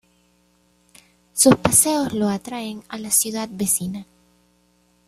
Sus paseos lo atraen a la ciudad vecina.